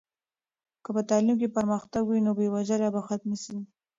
که په تعلیم کې پرمختګ وي نو بې وزلي به ختمه سي.